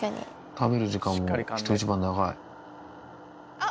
食べる時間も人一倍長い。